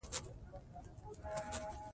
د افغانستان جغرافیه کې ځمکنی شکل ستر اهمیت لري.